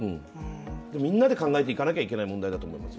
みんなで考えなきゃいけない問題だと思います